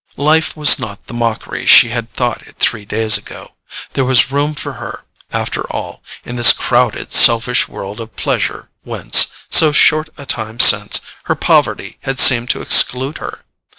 Life was not the mockery she had thought it three days ago. There was room for her, after all, in this crowded selfish world of pleasure whence, so short a time since, her poverty had seemed to exclude her.